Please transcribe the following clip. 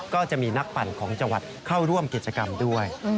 ก็จะมีนักปั่นของจังหวัดเข้าร่วมกิจกรรมด้วย